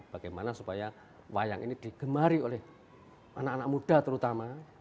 bagaimana supaya wayang ini digemari oleh anak anak muda terutama